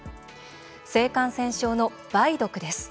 性感染症の梅毒です。